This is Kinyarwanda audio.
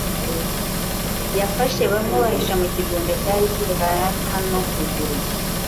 yafashe bamwe abahisha mu kigunda cyari kiri hano ruguru